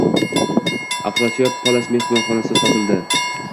Afrosiyob-palas mehmonxonasi sotildi